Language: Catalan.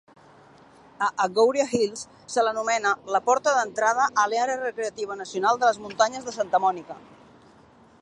A Agouria Hills se l'anomena "la porta d'entrada a l'àrea recreativa nacional de les muntanyes de Santa Monica".